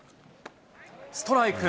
ストライク。